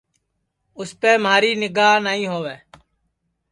اُسپے مہاری نیگھا نائی ہووے